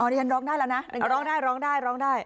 อ๋อนี่กันร้องได้แล้วนะร้องได้ร้องได้ร้องได้